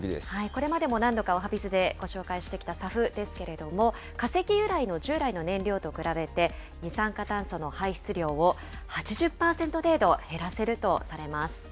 これまでも何度か、おはＢｉｚでご紹介してきたＳＡＦですけれども、化石由来の従来の燃料と比べて、二酸化炭素の排出量を８０％程度減らせるとされます。